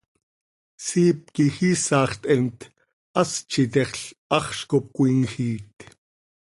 Siip quij iisax theemt, hast z itexl, haxz cop cöimjiit.